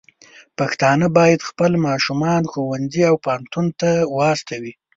پښتانه بايد خپل ماشومان ښوونځي او پوهنتونونو ته واستوي.